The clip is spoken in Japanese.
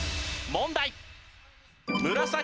問題。